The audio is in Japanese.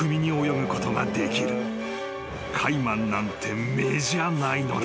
［カイマンなんて目じゃないのだ］